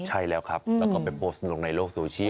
ใช่แล้วครับแล้วก็ไปโพสต์ลงในโลกโซเชียล